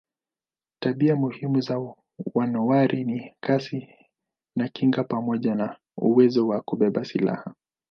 Tabia muhimu za manowari ni kasi na kinga pamoja na uwezo wa kubeba silaha.